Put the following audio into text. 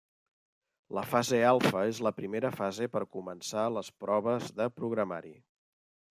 La fase alfa és la primera fase per començar les proves de programari.